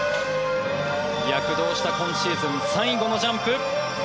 躍動した今シーズン最後のジャンプ。